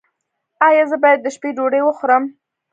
ایا زه باید د شپې ډوډۍ وخورم؟